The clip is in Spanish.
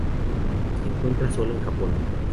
Se encuentra sólo en Japón.